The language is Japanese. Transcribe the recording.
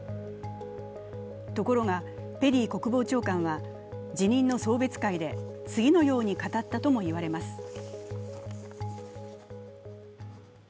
ところが、ペリー国防長官は辞任の送別会で次のように語ったともいわれます。